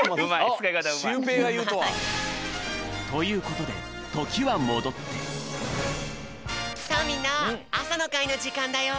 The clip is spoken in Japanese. つかいかたうまい。ということでときはもどってさあみんなあさのかいのじかんだよ！